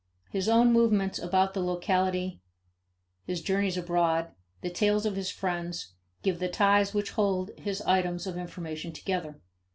His own movements about the locality, his journeys abroad, the tales of his friends, give the ties which hold his items of information together.